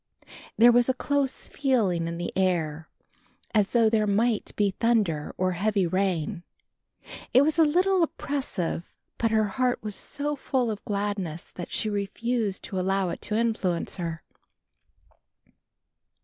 There was a close feeling in the air, as though there might be thunder or heavy rain. It was a little oppressive but her heart was so full of gladness that she refused to allow it to influence her.